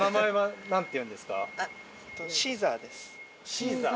シーザー？